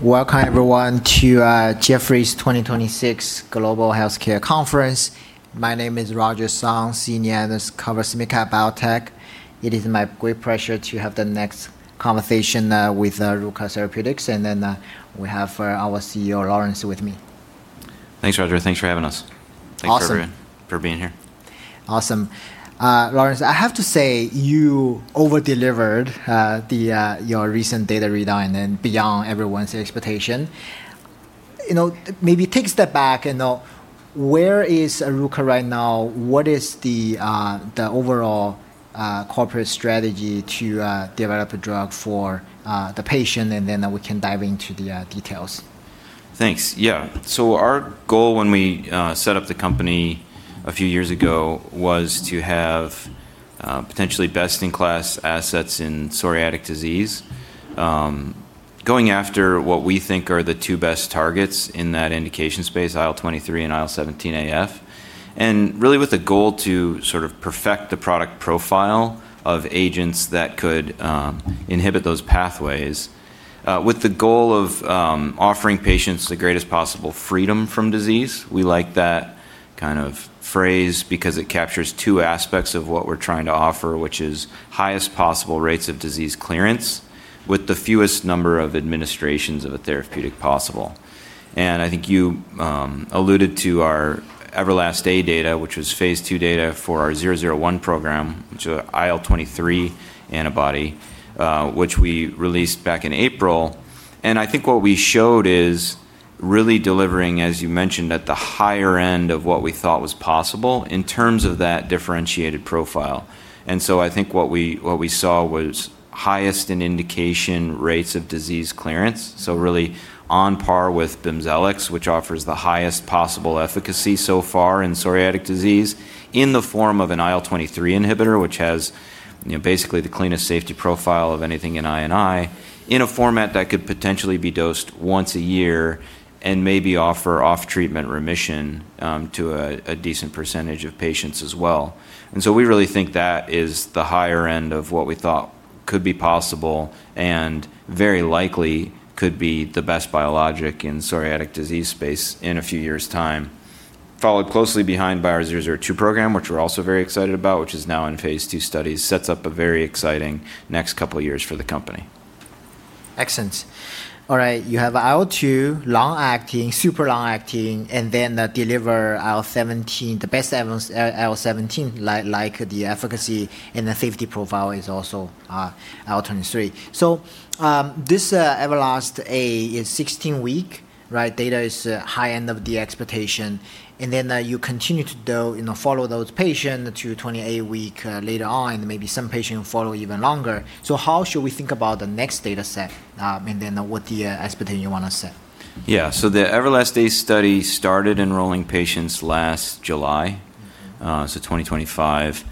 Hey. Welcome, everyone, to Jefferies 2026 Global Healthcare Conference. My name is Roger Song, Senior Analyst covers Mid-Cap Biotech. It is my great pleasure to have the next conversation with Oruka Therapeutics, and then we have our CEO Lawrence with me. Thanks, Roger. Thanks for having us. Awesome. Thanks, everyone, for being here. Awesome. Lawrence, I have to say, you over-delivered your recent data readout and beyond everyone's expectation. Maybe take a step back and where is Oruka right now? What is the overall corporate strategy to develop a drug for the patient? We can dive into the details. Thanks. Yeah. Our goal when we set up the company a few years ago was to have potentially best-in-class assets in psoriatic disease, going after what we think are the two best targets in that indication space, IL-23 and IL-17A/F, really with the goal to sort of perfect the product profile of agents that could inhibit those pathways, with the goal of offering patients the greatest possible freedom from disease. We like that kind of phrase because it captures two aspects of what we're trying to offer, which is highest possible rates of disease clearance with the fewest number of administrations of a therapeutic possible. I think you alluded to our EVERLAST-A data, which was phase II data for our 001 program, which is an IL-23 antibody, which we released back in April. I think what we showed is really delivering, as you mentioned, at the higher end of what we thought was possible in terms of that differentiated profile. I think what we saw was highest in indication rates of disease clearance, so really on par with BIMZELX, which offers the highest possible efficacy so far in psoriatic disease in the form of an IL-23 inhibitor, which has basically the cleanest safety profile of anything in I&I, in a format that could potentially be dosed once a year and maybe offer off-treatment remission to a decent percentage of patients as well. We really think that is the higher end of what we thought could be possible and very likely could be the best biologic in psoriatic disease space in a few years' time. Followed closely behind by our 002 program, which we're also very excited about, which is now in phase II studies, sets up a very exciting next couple of years for the company. Excellent. All right, you have IL-23 long-acting, super long-acting, and then deliver IL-17, the best IL-17, like the efficacy and the safety profile is also IL-23. This EVERLAST-A is 16 week, right? Data is high end of the expectation, and then you continue to follow those patients to 28 week later on, maybe some patients follow even longer. How should we think about the next data set, and then what the expectation you want to set? Yeah. The EVERLAST-A study started enrolling patients last July, 2025.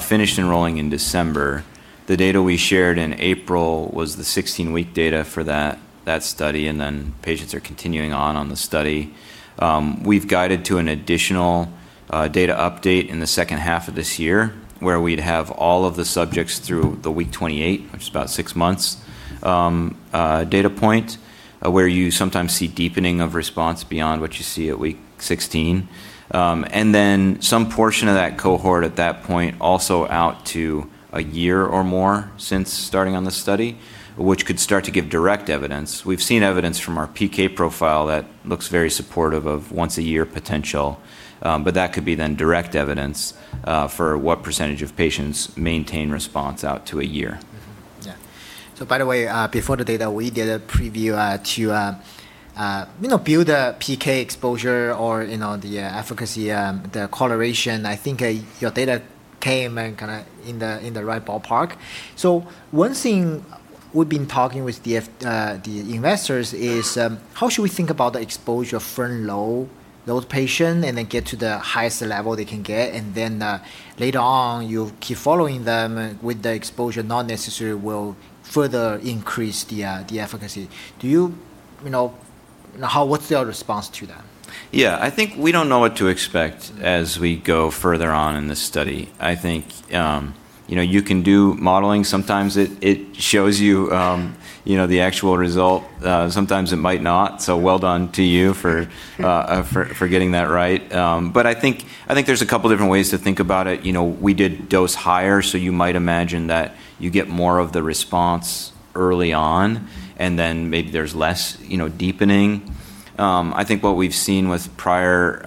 Finished enrolling in December. The data we shared in April was the 16-week data for that study, patients are continuing on the study. We've guided to an additional data update in the second half of this year, where we'd have all of the subjects through the week 28, which is about six months data point, where you sometimes see deepening of response beyond what you see at week 16. Some portion of that cohort at that point also out to a year or more since starting on this study, which could start to give direct evidence. We've seen evidence from our PK profile that looks very supportive of once-a-year potential. That could be then direct evidence for what percentage of patients maintain response out to a year. By the way, before the data, we did a preview to build a PK exposure or the efficacy, the correlation. I think your data came in the right ballpark. One thing we've been talking with the investors is, how should we think about the exposure for low patient and then get to the highest level they can get, and then later on, you keep following them with the exposure not necessarily will further increase the efficacy. What's your response to that? Yeah. I think we don't know what to expect as we go further on in this study. I think you can do modeling. Sometimes it shows you the actual result. Sometimes it might not. Well done to you for getting that right. I think there's a couple different ways to think about it. We did dose higher, so you might imagine that you get more of the response early on, and then maybe there's less deepening. I think what we've seen with prior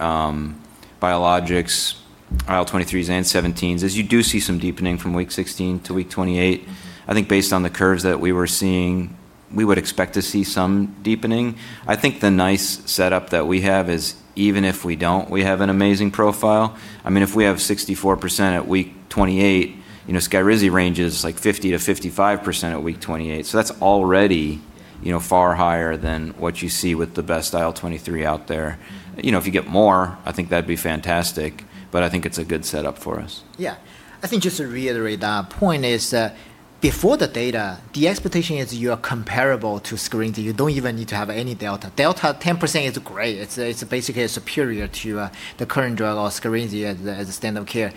biologics, IL-23s and 17s, is you do see some deepening from week 16 to week 28. I think based on the curves that we were seeing, we would expect to see some deepening. I think the nice setup that we have is even if we don't, we have an amazing profile. If we have 64% at Week 28, SKYRIZI range is 50%-55% at Week 28. That's already far higher than what you see with the best IL-23 out there. If you get more, I think that'd be fantastic, but I think it's a good setup for us. Yeah. I think just to reiterate that point is, before the data, the expectation is you are comparable to SKYRIZI. You don't even need to have any delta. Delta 10% is great. It's basically superior to the current drug or SKYRIZI as a standard care.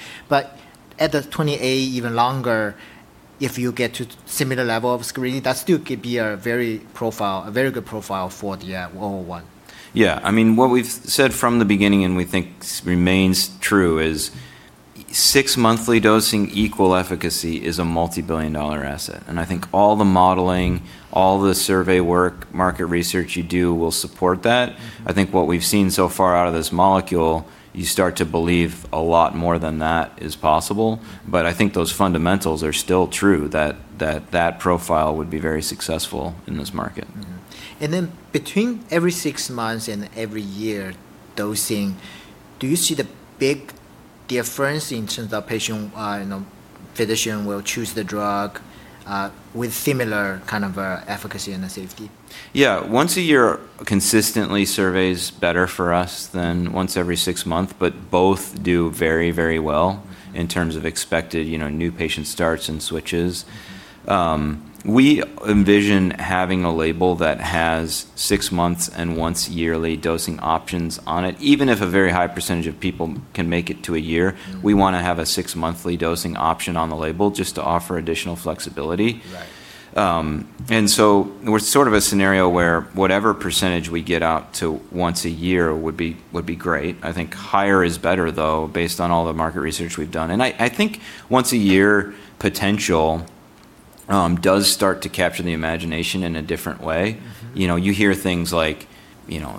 At the 20A, even longer, if you get to similar level of screening, that still could be a very good profile for the 001. Yeah. What we've said from the beginning, and we think remains true, is six-monthly dosing equal efficacy is a multi-billion-dollar asset. I think all the modeling, all the survey work, market research you do will support that. I think what we've seen so far out of this molecule, you start to believe a lot more than that is possible. I think those fundamentals are still true, that that profile would be very successful in this market. Then between every six months and every year dosing, do you see the big difference in terms of physician will choose the drug, with similar kind of efficacy and safety? Yeah. Once a year consistently survey's better for us than once every six month, but both do very well in terms of expected new patient starts and switches. We envision having a label that has six months and once yearly dosing options on it. Even if a very high percentage of people can make it to a year. We want to have a six-monthly dosing option on the label just to offer additional flexibility. Right. We're sort of a scenario where whatever percentage we get up to once a year would be great. I think higher is better, though, based on all the market research we've done. I think once a year potential does start to capture the imagination in a different way. You hear things like,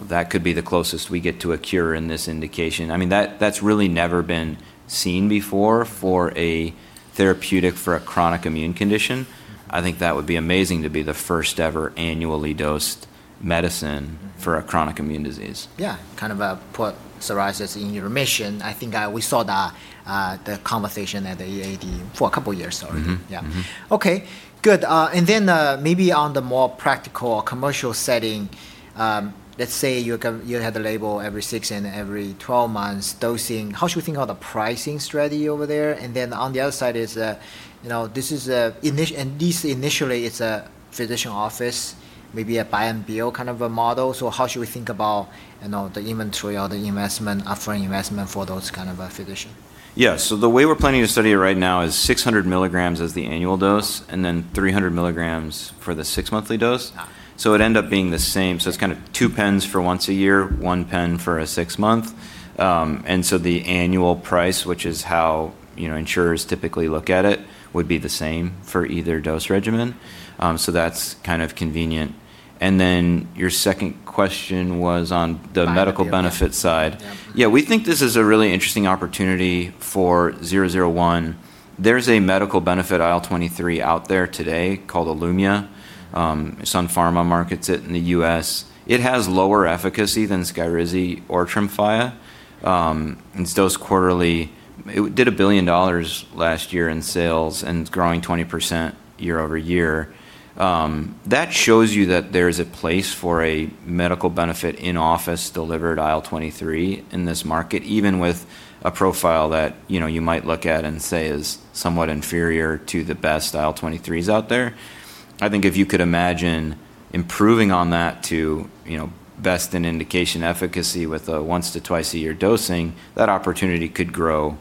"That could be the closest we get to a cure in this indication." That's really never been seen before for a therapeutic for a chronic immune condition. I think that would be amazing to be the first ever annually-dosed medicine for a chronic immune disease. Yeah. Kind of put psoriasis in remission. I think we saw the conversation at the AAD for a couple of years already. Yeah. Okay, good. Maybe on the more practical commercial setting, let's say you have the label every six and every 12 months dosing. How should we think of the pricing strategy over there? On the other side is, this initially is a physician office, maybe a buy and bill kind of a model. How should we think about the inventory or the investment, upfront investment for those kind of physician? Yeah. The way we're planning to study it right now is 600 mg is the annual dose, and then 300 mg for the six-monthly dose. Yeah. It'd end up being the same. It's kind of two pens for once a year, one pen for a six-month. The annual price, which is how insurers typically look at it, would be the same for either dose regimen. That's kind of convenient. Then your second question was on the medical benefit side. Yeah. We think this is a really interesting opportunity for 001. There's a medical benefit IL-23 out there today called ILUMYA. Sun Pharma markets it in the U.S. It has lower efficacy than SKYRIZI or TREMFYA, and it's dosed quarterly. It did $1 billion last year in sales, and it's growing 20% year-over-year. That shows you that there's a place for a medical benefit in-office delivered IL-23 in this market, even with a profile that you might look at and say is somewhat inferior to the best IL-23s out there. I think if you could imagine improving on that to best in indication efficacy with a once to two times a year dosing, that opportunity could grow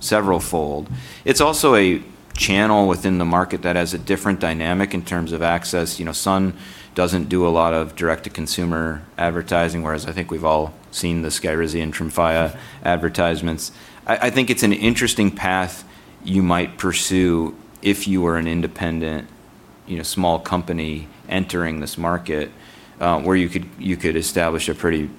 several-fold. It's also a channel within the market that has a different dynamic in terms of access. Sun doesn't do a lot of direct-to-consumer advertising, whereas I think we've all seen the SKYRIZI and TREMFYA advertisements. I think it's an interesting path you might pursue if you were an independent, small company entering this market, where you could establish a pretty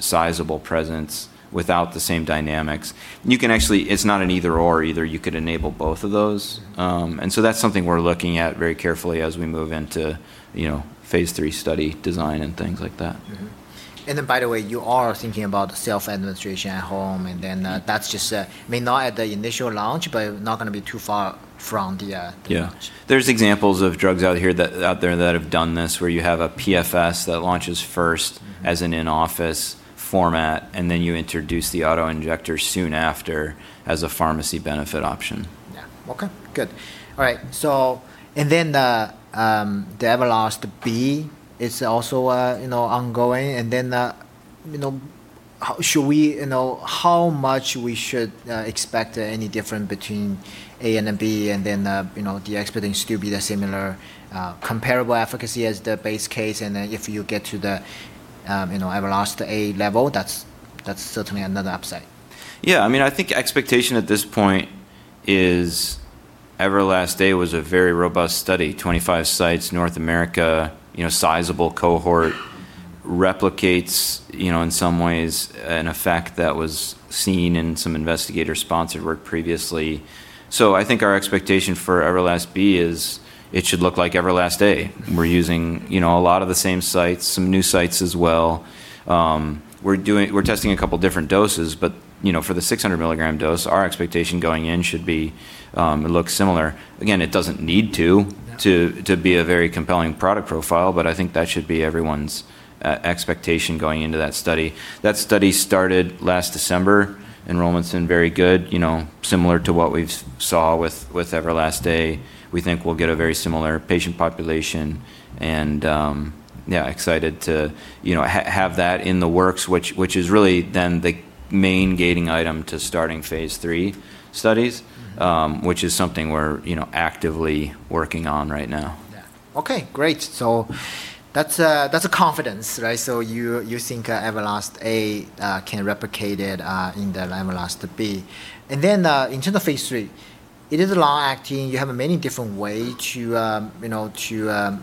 sizable presence without the same dynamics. It's not an either/or. Either you could enable both of those. That's something we're looking at very carefully as we move into phase III study design and things like that. By the way, you are thinking about self-administration at home, and then that's just may not at the initial launch, but not going to be too far from the launch. Yeah. There's examples of drugs out there that have done this, where you have a PFS that launches first as an in-office format, and then you introduce the auto-injector soon after as a pharmacy benefit option. Yeah. Okay, good. All right. The EVERLAST-A is also ongoing. How much we should expect any different between A and a B, and then the expectation still be the similar comparable efficacy as the base case. If you get to the EVERLAST-A level, that's certainly another upside. Yeah, I think expectation at this point is EVERLAST-A was a very robust study, 25 sites, North America, sizable cohort. Replicates in some ways an effect that was seen in some investigator-sponsored work previously. I think our expectation for EVERLAST-B is it should look like EVERLAST-A. We're using a lot of the same sites, some new sites as well. We're testing a couple different doses, but for the 600 milligram dose, our expectation going in should look similar. Yeah to be a very compelling product profile. I think that should be everyone's expectation going into that study. That study started last December. Enrollment's been very good, similar to what we saw with EVERLAST-A. We think we'll get a very similar patient population. Yeah, excited to have that in the works, which is really then the main gating item to starting phase III studies, which is something we're actively working on right now. Yeah. Okay, great. That's a confidence, right? You think EVERLAST-A can replicate it in the EVERLAST-B. In terms of phase III, it is long-acting. You have many different way to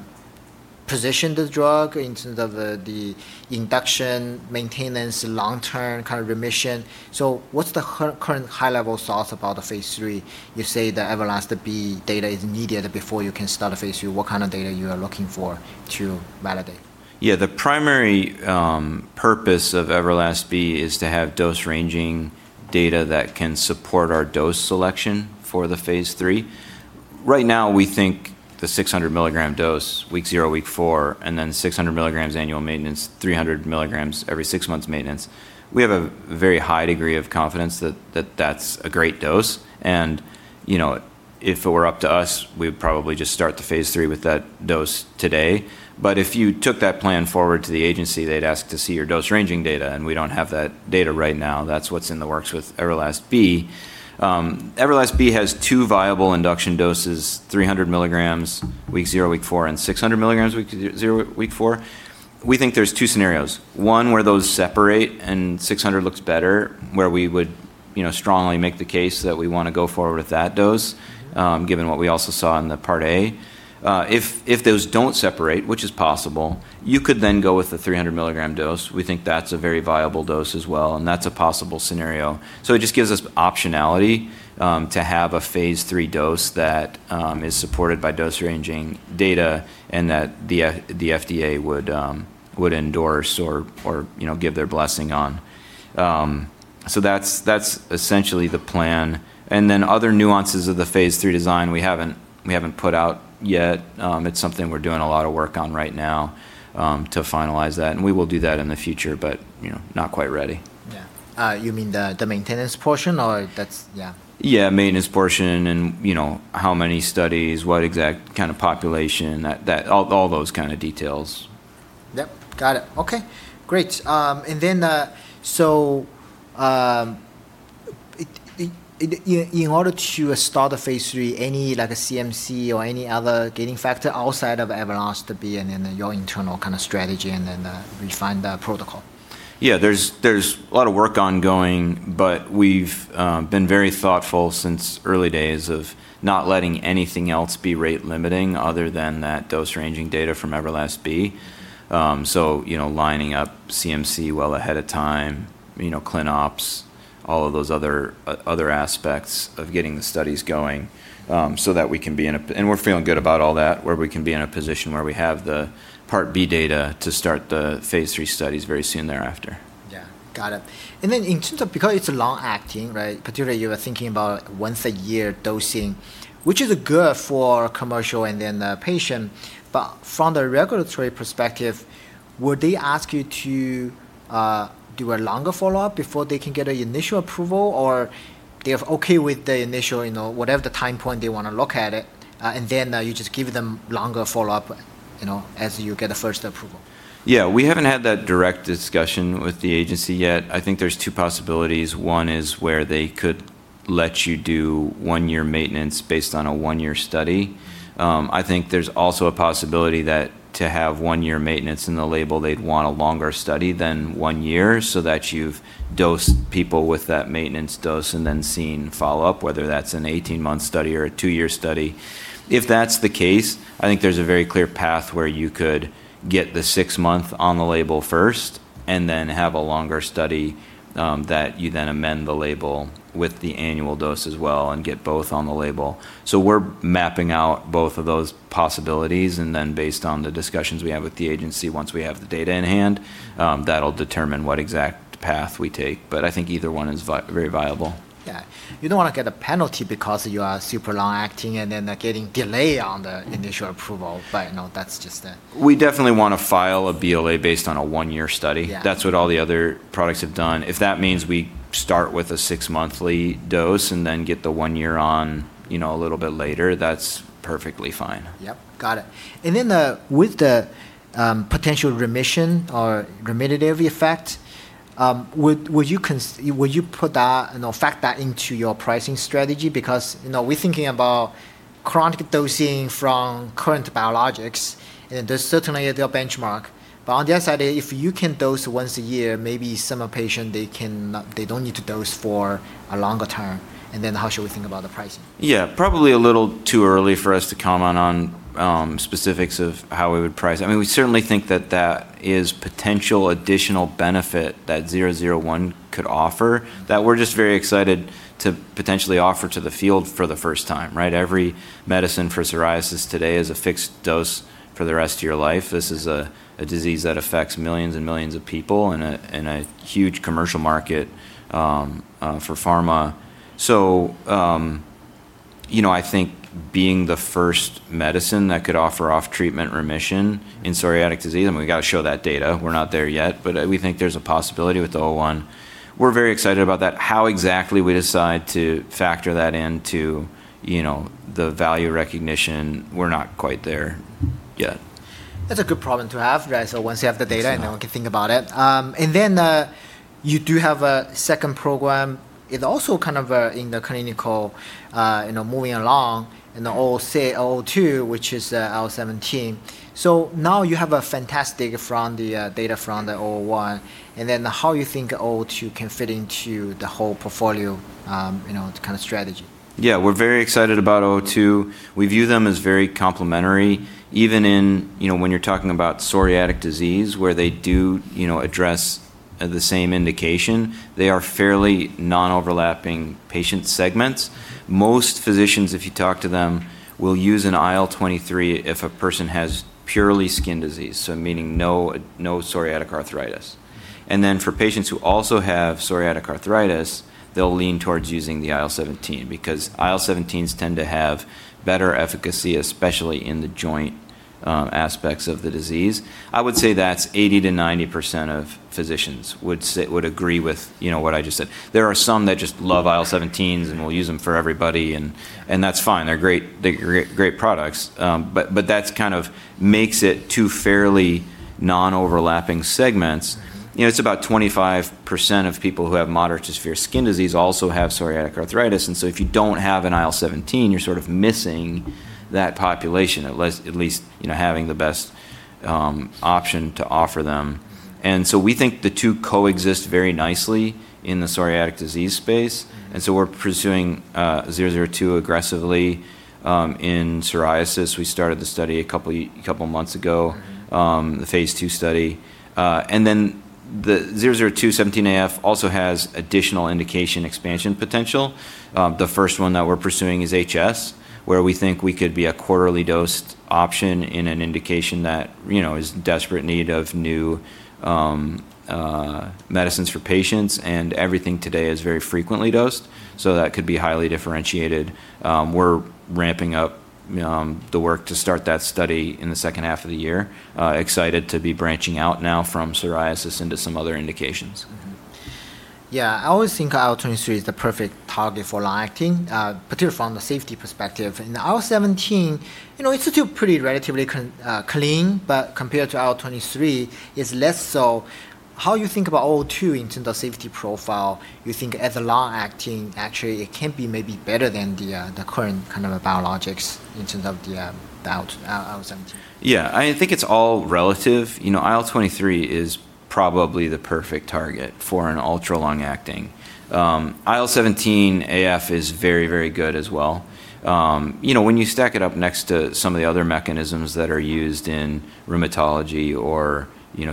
position the drug in terms of the induction maintenance long-term kind of remission. What's the current high-level thoughts about the phase III? You say the EVERLAST-B data is needed before you can start a phase III. What kind of data you are looking for to validate? The primary purpose of EVERLAST-B is to have dose-ranging data that can support our dose selection for the phase III. Right now, we think the 600 mg dose, Week 0, Week 4, and then 600 mg annual maintenance, 300 mg every six months maintenance. We have a very high degree of confidence that that's a great dose, and if it were up to us, we'd probably just start the phase III with that dose today. If you took that plan forward to the agency, they'd ask to see your dose-ranging data, and we don't have that data right now. That's what's in the works with EVERLAST-B. EVERLAST-B has two viable induction doses, 300 mg Week 0, Week 4, and 600 mg Week 0, Week 4. We think there's two scenarios, one where those separate and 600 looks better, where we would strongly make the case that we want to go forward with that dose, given what we also saw in the Part A. If those don't separate, which is possible, you could then go with the 300-mg dose. We think that's a very viable dose as well, and that's a possible scenario. It just gives us optionality to have a Phase III dose that is supported by dose-ranging data and that the FDA would endorse or give their blessing on. That's essentially the plan. Other nuances of the Phase III design we haven't put out yet. It's something we're doing a lot of work on right now to finalize that, and we will do that in the future, but not quite ready. Yeah. You mean the maintenance portion or? Yeah. Yeah, maintenance portion and how many studies, what exact kind of population, all those kind of details. Yep, got it. Okay, great. In order to start the phase III, any like a CMC or any other gating factor outside of EVERLAST-B and then your internal kind of strategy and then refine the protocol? There's a lot of work ongoing, but we've been very thoughtful since early days of not letting anything else be rate limiting other than that dose-ranging data from EVERLAST-B. Lining up CMC well ahead of time, ClinOps, all of those other aspects of getting the studies going so that we can be feeling good about all that, where we can be in a position where we have the Part B data to start the phase III studies very soon thereafter. Yeah. Got it. Then in terms of, because it's long-acting, right? Particularly you are thinking about once a year dosing, which is good for commercial and then the patient, but from the regulatory perspective, would they ask you to do a longer follow-up before they can get initial approval? They are okay with the initial, whatever the time point they want to look at it, and then you just give them longer follow-up as you get the first approval? Yeah, we haven't had that direct discussion with the agency yet. I think there's two possibilities. One is where they could let you do one-year maintenance based on a one-year study. I think there's also a possibility that to have one-year maintenance in the label, they'd want a longer study than one year so that you've dosed people with that maintenance dose and then seen follow-up, whether that's an 18-month study or a two-year study. If that's the case, I think there's a very clear path where you could get the six month on the label first and then have a longer study that you then amend the label with the annual dose as well and get both on the label. We're mapping out both of those possibilities, and then based on the discussions we have with the agency, once we have the data in hand, that'll determine what exact path we take. I think either one is very viable. Yeah. You don't want to get a penalty because you are super long-acting and then getting delay on the initial approval. We definitely want to file a BLA based on a one-year study. Yeah. That's what all the other products have done. If that means we start with a six-monthly dose and then get the one year on a little bit later, that's perfectly fine. Yep. Got it. With the potential remission or remittive effect, would you put that and factor that into your pricing strategy? We're thinking about chronic dosing from current biologics, and there's certainly a benchmark. On the other side, if you can dose once a year, maybe some patient, they don't need to dose for a longer term, and then how should we think about the pricing? Yeah, probably a little too early for us to comment on specifics of how we would price it. We certainly think that that is potential additional benefit that 001 could offer that we're just very excited to potentially offer to the field for the first time, right? Every medicine for psoriasis today is a fixed dose for the rest of your life. This is a disease that affects millions and millions of people and a huge commercial market for pharma. I think being the first medicine that could offer off treatment remission in psoriatic disease, I mean, we've got to show that data. We're not there yet, but we think there's a possibility with the 001. We're very excited about that. How exactly we decide to factor that into the value recognition, we're not quite there yet. That's a good problem to have, right? Yes We can think about it. You do have a second program, it also kind of in the clinical, moving along in the 002, which is IL-17. Now you have a fantastic data from the 001, how you think 002 can fit into the whole portfolio, the kind of strategy. We're very excited about ORKA-002. We view them as very complementary. Even when you're talking about psoriatic disease, where they do address the same indication, they are fairly non-overlapping patient segments. Most physicians, if you talk to them, will use an IL-23 if a person has purely skin disease, so meaning no psoriatic arthritis. For patients who also have psoriatic arthritis, they'll lean towards using the IL-17 because IL-17s tend to have better efficacy, especially in the joint aspects of the disease. I would say that's 80%-90% of physicians would agree with what I just said. There are some that just love IL-17s and will use them for everybody, and that's fine. They're great products. That kind of makes it two fairly non-overlapping segments. It's about 25% of people who have moderate to severe skin disease also have psoriatic arthritis, and so if you don't have an IL-17, you're sort of missing that population, at least, having the best option to offer them. We think the two coexist very nicely in the psoriatic disease space, and so we're pursuing 002 aggressively in psoriasis. We started the study a couple of months ago, the phase II study. The 002 17A/F also has additional indication expansion potential. The first one that we're pursuing is HS, where we think we could be a quarterly dosed option in an indication that is in desperate need of new medicines for patients, and everything today is very frequently dosed, so that could be highly differentiated. We're ramping up the work to start that study in the second half of the year. Excited to be branching out now from psoriasis into some other indications. Yeah. I always think IL-23 is the perfect target for long-acting, particularly from the safety perspective. IL-17, it's still pretty relatively clean, but compared to IL-23, is less so. How you think about 002 in terms of safety profile? You think as a long acting, actually, it can be maybe better than the current kind of biologics in terms of the IL-17? Yeah. I think it's all relative. IL-23 is probably the perfect target for an ultra long-acting. IL-17A/F is very good as well. When you stack it up next to some of the other mechanisms that are used in rheumatology or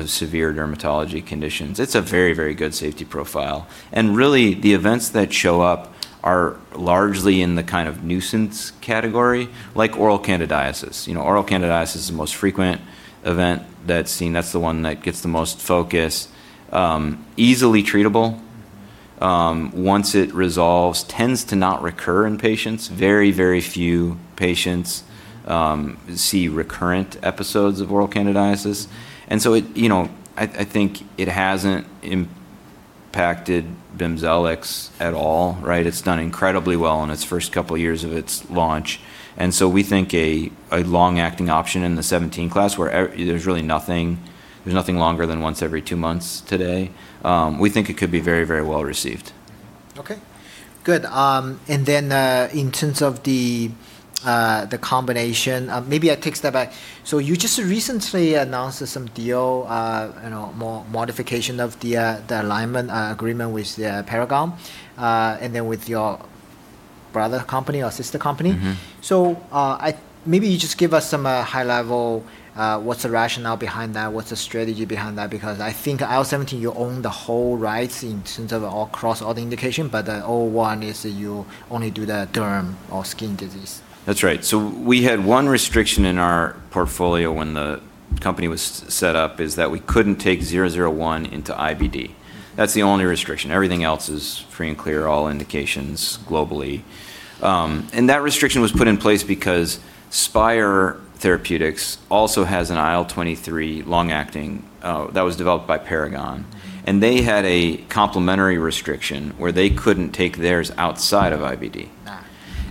severe dermatology conditions, it's a very good safety profile. Really, the events that show up are largely in the kind of nuisance category, like oral candidiasis. Oral candidiasis is the most frequent event that's seen. That's the one that gets the most focus. Easily treatable. Once it resolves, tends to not recur in patients. Very few patients see recurrent episodes of oral candidiasis. I think it hasn't impacted BIMZELX at all, right? It's done incredibly well in its first couple of years of its launch. We think a long-acting option in the 17 class, where there's nothing longer than once every two months today. We think it could be very well received. Okay. Good. In terms of the combination, maybe I take a step back. You just recently announced some deal, more modification of the alignment agreement with Paragon, and then with your brother company or sister company. Maybe you just give us some high level, what's the rationale behind that? What's the strategy behind that? I think IL-17, you own the whole rights in terms of across all the indication, but 001 is you only do the derm or skin disease. That's right. We had one restriction in our portfolio when the company was set up, is that we couldn't take 001 into IBD. That's the only restriction. Everything else is free and clear, all indications globally. That restriction was put in place because Spyre Therapeutics also has an IL-23 long-acting that was developed by Paragon, and they had a complementary restriction where they couldn't take theirs outside of IBD.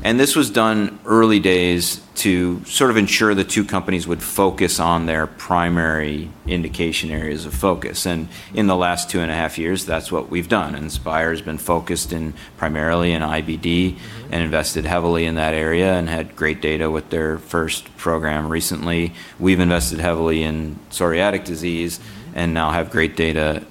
This was done early days to sort of ensure the two companies would focus on their primary indication areas of focus. In the last two and a half years, that's what we've done. Spyre's been focused primarily in IBD and invested heavily in that area and had great data with their first program recently. We've invested heavily in psoriatic disease and now have great data.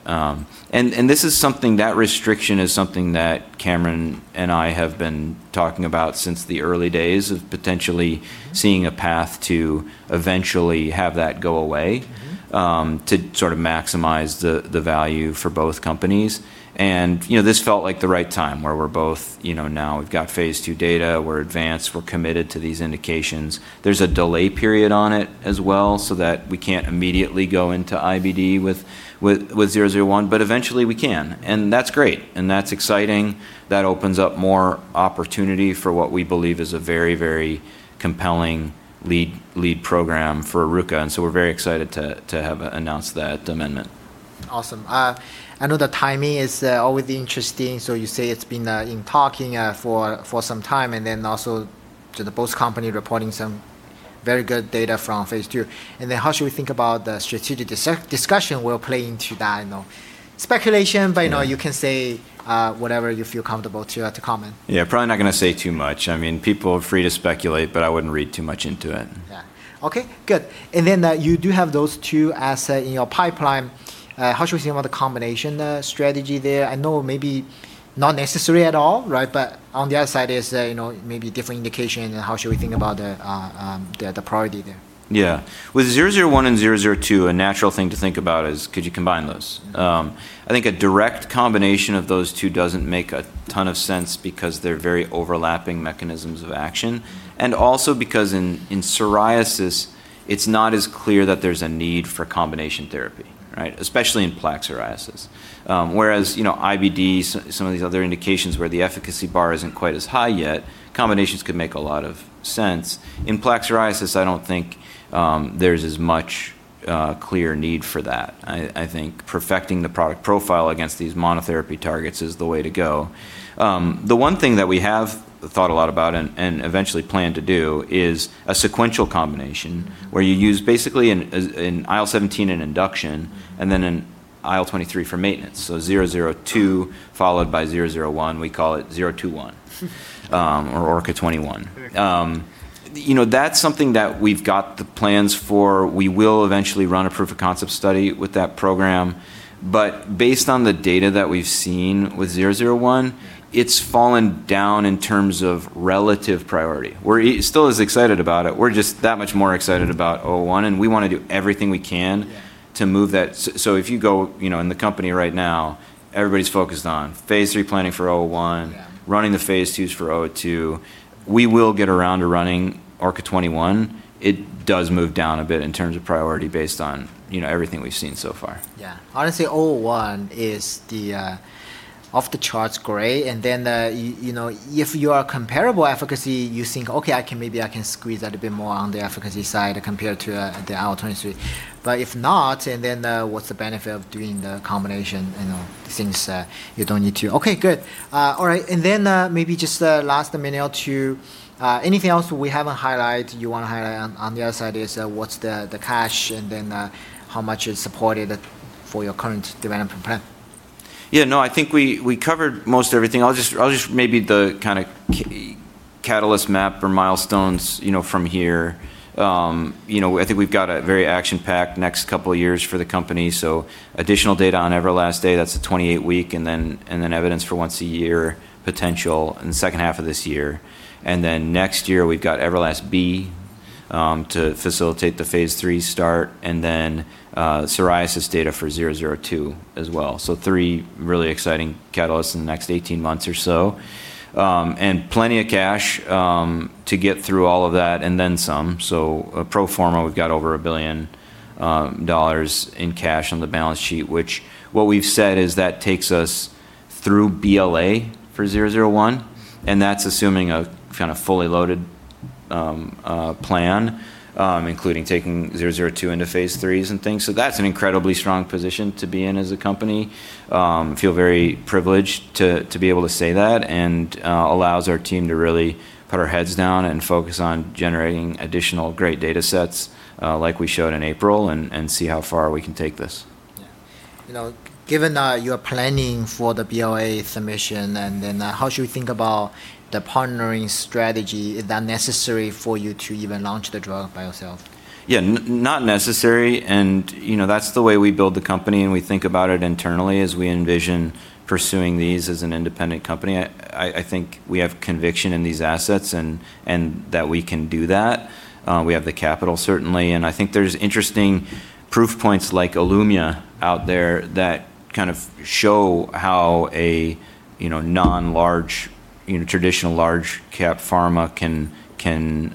That restriction is something that Cameron and I have been talking about since the early days, of potentially seeing a path to eventually have that go away to sort of maximize the value for both companies. This felt like the right time, where we're both now we've got phase II data, we're advanced, we're committed to these indications. There's a delay period on it as well, so that we can't immediately go into IBD with 001, but eventually we can, and that's great, and that's exciting. That opens up more opportunity for what we believe is a very compelling lead program for Oruka. We're very excited to have announced that amendment. Awesome. I know the timing is always interesting. You say it's been in talking for some time, also to the both company reporting some very good data from phase II. How should we think about the strategic discussion will play into that? Yeah You can say whatever you feel comfortable to comment. Yeah, probably not going to say too much. People are free to speculate, but I wouldn't read too much into it. Yeah. Okay, good. Then you do have those two assets in your pipeline. How should we think about the combination strategy there? I know maybe not necessary at all, right? On the other side is maybe different indication, and how should we think about the priority there? Yeah. With 001 and 002, a natural thing to think about is could you combine those? I think a direct combination of those two doesn't make a ton of sense because they're very overlapping mechanisms of action, and also because in psoriasis, it's not as clear that there's a need for combination therapy, right, especially in plaque psoriasis. Whereas IBD, some of these other indications where the efficacy bar isn't quite as high yet, combinations could make a lot of sense. In plaque psoriasis, I don't think there's as much clear need for that. I think perfecting the product profile against these monotherapy targets is the way to go. The one thing that we have thought a lot about and eventually plan to do is a sequential combination. where you use basically an IL-17 in induction and then an IL-23 for maintenance, so 002 followed by 001. We call it 021. ORKA-021. Very cool. That's something that we've got the plans for. We will eventually run a proof of concept study with that program. Based on the data that we've seen with 001, it's fallen down in terms of relative priority. We're still as excited about it. We're just that much more excited about 01. Yeah to move that. If you go in the company right now, everybody's focused on phase III planning for 01. Yeah running the phase for 002. We will get around to running ORKA-021. It does move down a bit in terms of priority based on everything we've seen so far. Yeah. Honestly, 001 is off the charts great. If you are comparable efficacy, you think, "Okay, maybe I can squeeze a little bit more on the efficacy side compared to the IL-23." If not, what's the benefit of doing the combination since you don't need to. Okay, good. All right. Maybe just the last minute or two, anything else we haven't highlight, you want to highlight on the other side is what's the cash and then how much is supported for your current development plan? Yeah, no, I think we covered most everything. I'll just maybe the kind of catalyst map or milestones from here. I think we've got a very action-packed next couple of years for the company, so additional data on EVERLAST-A, that's the 28-week, and then evidence for once a year potential in the second half of this year. Next year, we've got EVERLAST-B to facilitate the phase III start, and then psoriasis data for 002 as well. Three really exciting catalysts in the next 18 months or so. Plenty of cash to get through all of that and then some. Pro forma, we've got over $1 billion in cash on the balance sheet, which what we've said is that takes us through BLA for 001, and that's assuming a kind of fully loaded plan, including taking 002 into phase IIIs and things. That's an incredibly strong position to be in as a company. We feel very privileged to be able to say that, and allows our team to really put our heads down and focus on generating additional great data sets, like we showed in April, and see how far we can take this. Given your planning for the BLA submission, how should we think about the partnering strategy? Is that necessary for you to even launch the drug by yourself? Yeah, not necessary, and that's the way we build the company, and we think about it internally as we envision pursuing these as an independent company. I think we have conviction in these assets, and that we can do that. We have the capital certainly, and I think there's interesting proof points like ILUMYA out there that kind of show how a non large traditional large cap pharma can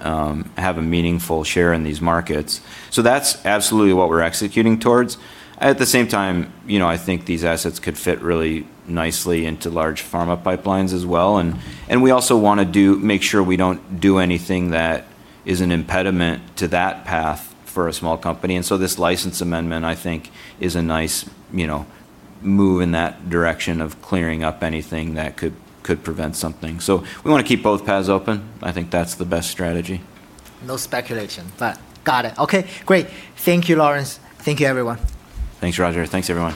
have a meaningful share in these markets. That's absolutely what we're executing towards. At the same time, I think these assets could fit really nicely into large pharma pipelines as well, and we also want to make sure we don't do anything that is an impediment to that path for a small company. This license amendment, I think, is a nice move in that direction of clearing up anything that could prevent something. We want to keep both paths open. I think that's the best strategy. No speculation, but got it. Okay, great. Thank you, Lawrence. Thank you, everyone. Thanks, Roger. Thanks, everyone.